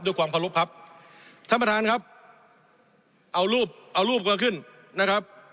ความเคารพครับท่านประธานครับเอารูปเอารูปก็ขึ้นนะครับ